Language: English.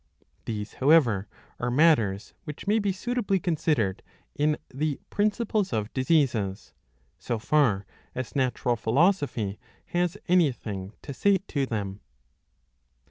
'^ These however are matters which may be suitably considered in the Principles of Diseases, so far as natural philosophy has anything to say to them.